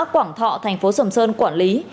quảng thọ thành phố sầm sơn quản lý